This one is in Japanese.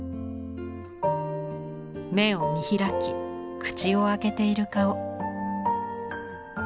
目を見開き口を開けている顔。